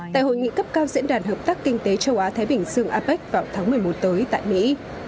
tại hội nghị cấp cao diễn đàn hợp tác kinh tế châu á thái bình dương apec vào tháng một mươi một tới tại mỹ